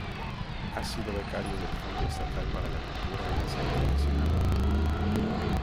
Ha sido becario del Fondo Estatal para la Cultura y las Artes de Sinaloa.